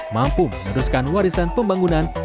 mampu meneruskan warisan pembangunan